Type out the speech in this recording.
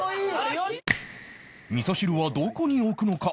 味噌汁はどこに置くのか？